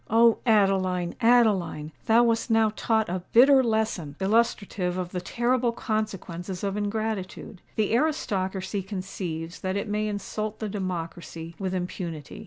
O Adeline, Adeline! thou wast now taught a bitter lesson illustrative of the terrible consequences of ingratitude! The aristocracy conceives that it may insult the democracy with impunity.